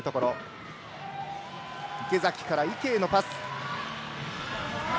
池崎から池へのパス。